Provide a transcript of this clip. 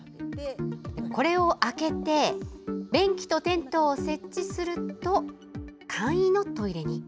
これを開けて便器とテントを設置すると簡易のトイレに。